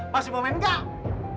pasti mau main nggak